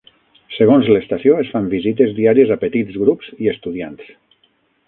Segons l'estació, es fan visites diàries a petits grups i estudiants.